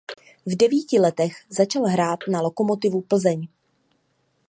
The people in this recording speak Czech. V devíti letech začal hrát za Lokomotivu Plzeň.